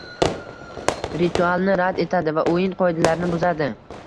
ritualni rad etadi va “o‘yin qoidalarini” buzadi: